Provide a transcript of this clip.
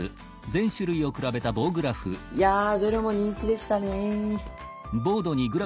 いやどれも人気でしたね。